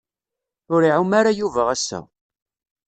Ur iɛum ara Yuba ass-a.